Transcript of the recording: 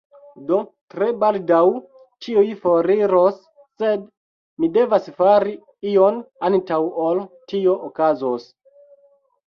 Do, tre baldaŭ ĉiuj foriros sed mi devas fari ion antaŭ ol tio okazos